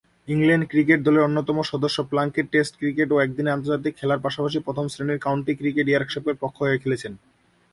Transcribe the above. England cricket দলের অন্যতম সদস্য প্লাঙ্কেট টেস্ট ক্রিকেট ও একদিনের আন্তর্জাতিক খেলার পাশাপাশি প্রথম-শ্রেণীর কাউন্টি ক্রিকেটে ইয়র্কশায়ারের পক্ষ হয়ে খেলছেন।